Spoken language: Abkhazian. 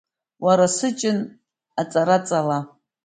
Уара, сыҷын, аҵара ҵала.